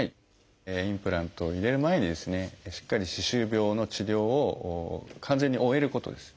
インプラントを入れる前にですねしっかり歯周病の治療を完全に終えることです。